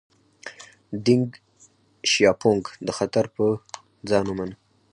دینګ شیاپونګ دا خطر پر ځان ومانه.